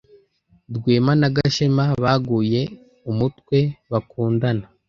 Rwema na Gashema baguye umutwe bakundana.